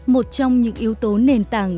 một trong những yếu tố nền tảng